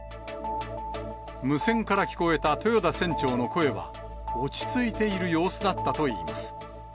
無線から聞こえた豊田船長の声は、落ち着いている様子だったといいます。